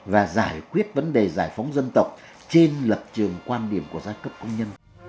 và giải quyết vấn đề giải phóng dân tộc trên lập trường quan điểm của giai cấp công nhân